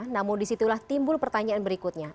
namun disitulah timbul pertanyaan berikutnya